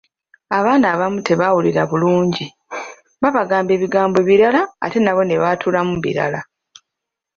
"Abaana abamu tebawulira bulungi, babagamba ebigambo birala ate nabo ne baatulamu birala."